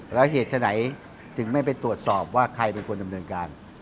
แล้วเหตุฉะไหนถึงไม่ไปตรวจสอบว่าใครเป็นคนดำเนินการ